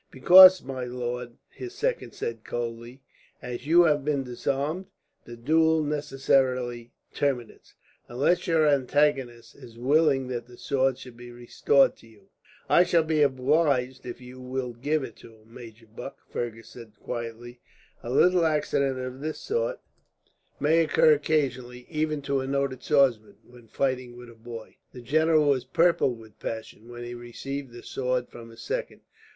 "Because, my lord," his second said coldly, "as you have been disarmed, the duel necessarily terminates; unless your antagonist is willing that the sword shall be restored to you." "I shall be obliged if you will give it him, Major Buck," Fergus said quietly. "A little accident of this sort may occur occasionally, even to a noted swordsman, when fighting with a boy." The general was purple with passion, when he received the sword from his second.